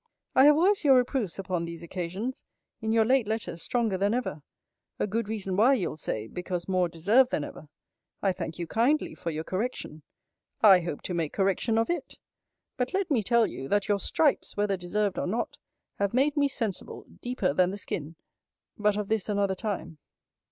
I have always your reproofs upon these occasions: in your late letters stronger than ever. A good reason why, you'll say, because more deserved than ever. I thank you kindly for your correction. I hope to make correction of it. But let me tell you, that your stripes, whether deserved or not, have made me sensible, deeper than the skin but of this another time.